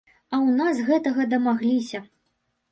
А ў нас гэтага дамагліся.